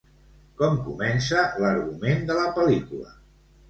Com comença l'argument de la pel·lícula?